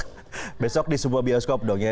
maksudnya besok di semua bioskop dong ya